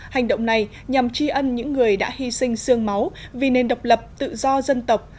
hành động này nhằm tri ân những người đã hy sinh sương máu vì nền độc lập tự do dân tộc